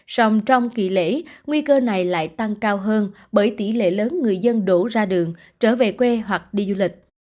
sông trong kỳ lễ nguy cơ này lại tăng cao hơn bởi tỷ lệ lớn người dân đổ ra đường trở về quê hoặc đi du lịch